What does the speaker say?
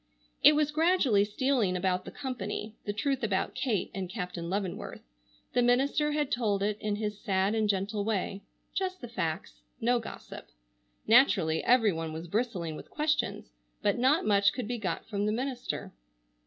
It was gradually stealing about the company, the truth about Kate and Captain Leavenworth. The minister had told it in his sad and gentle way. Just the facts. No gossip. Naturally every one was bristling with questions, but not much could be got from the minister.